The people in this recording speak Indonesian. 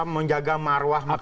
menjaga marwah makamu